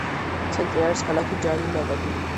ცენტრი არის ქალაქი ჯალილაბადი.